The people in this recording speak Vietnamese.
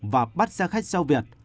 và bắt xe khách xeo việt